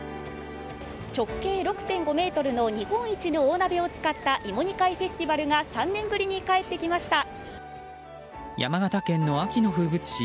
直径６．５ｍの日本一の大鍋を使った芋煮会フェスティバルが３年ぶりに山形県の秋の風物詩